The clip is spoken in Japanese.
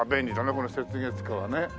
この雪月花はね。